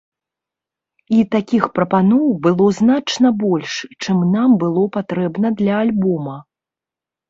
І такіх прапаноў было значна больш, чым нам было патрэбна для альбома.